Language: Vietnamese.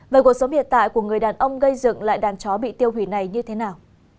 vậy cuộc sống hiện tại của người đàn ông gây dựng lại đàn chó bị tiêu hủy này như thế nào